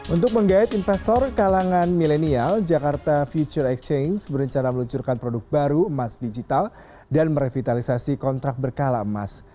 untuk menggait investor kalangan milenial jakarta future exchange berencana meluncurkan produk baru emas digital dan merevitalisasi kontrak berkala emas